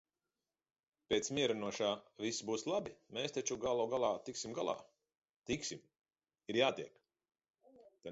Pēc mierinošā "viss būs labi, mēs taču galu galā tiksim galā". Tiksim. Ir jātiek.